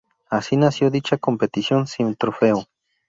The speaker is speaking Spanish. Así nació dicha competición sin trofeo.